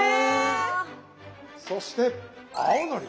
そして青のり。